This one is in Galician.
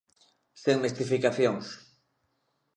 Sen mistificacións.